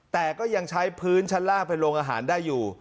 แต่ก็ยังใช้พื้นชั้นล่างเป็นโรงอาหารได้อยู่